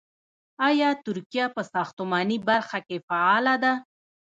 آیا ترکیه په ساختماني برخه کې فعاله ده؟